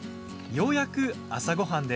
ようやく朝ごはんです。